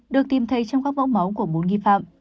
được tìm thấy trong các mẫu máu của bốn nghi phạm